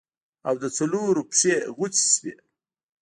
او د څلورو پښې غوڅې سوې.